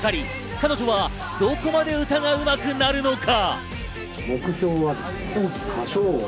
彼女はどこまで歌がうまくなるのか。